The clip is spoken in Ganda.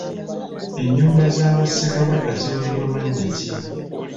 Enyumba za Bassekabaka ziweebwa mannya ki?